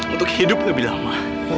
untuk hidup lebih lama